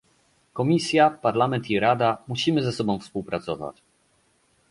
Komisja, Parlament i Rada - musimy ze sobą współpracować